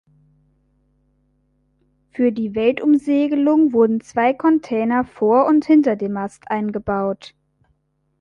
Für die Weltumsegelung wurden zwei Container vor und hinter dem Mast eingebaut.